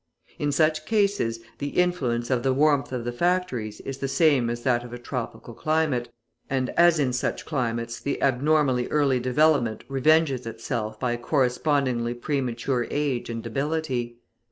In such cases, the influence of the warmth of the factories is the same as that of a tropical climate, and, as in such climates, the abnormally early development revenges itself by correspondingly premature age and debility.